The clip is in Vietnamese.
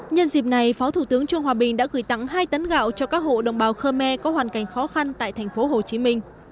nhân dịp này phó thủ tướng trương hòa bình đã gửi tặng hai tấn gạo cho các hộ đồng bào khơ me có hoàn cảnh khó khăn tại tp hcm